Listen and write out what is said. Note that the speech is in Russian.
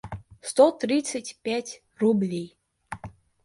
сто тридцать пять рублей